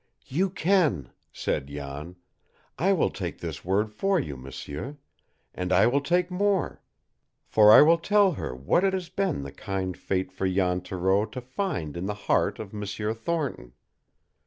"You can," said Jan. "I will take this word for you, m'sieur, and I will take more, for I will tell her what it has been the kind fate for Jan Thoreau to find in the heart of M'sieur Thornton.